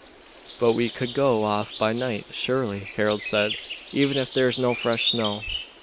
"But we could go off by night, surely," Harold said, "even if there is no fresh snow."